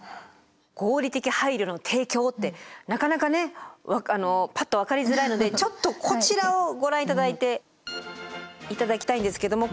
合理的配慮の提供ってなかなかねパッと分かりづらいのでちょっとこちらをご覧頂いて頂きたいんですけども。